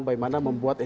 bagaimana membuat efisien